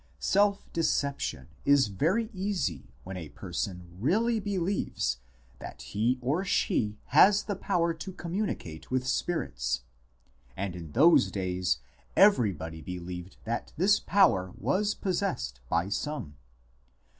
Self deception is very easy when a person really believes that he or she has the power to communicate with spirits ; and in those days everybody believed that this power was possessed by some.